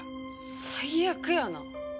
最悪やな。